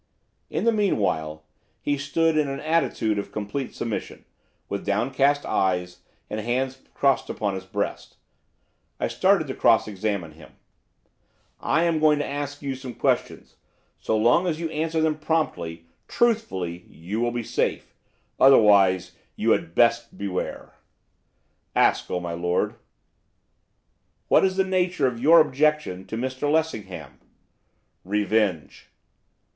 In the meanwhile he stood in an attitude of complete submission, with downcast eyes, and hands crossed upon his breast. I started to cross examine him. 'I am going to ask you some questions. So long as you answer them promptly, truthfully, you will be safe. Otherwise you had best beware.' 'Ask, oh my lord.' 'What is the nature of your objection to Mr Lessingham?' 'Revenge.